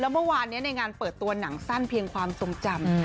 เมื่อวานนี้ในงานเปิดตัวหนังสั้นเพียงความทรงจำ